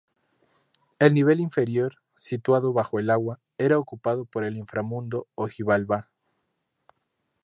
El nivel inferior, situado bajo el agua, era ocupado por el inframundo, o Xibalbá.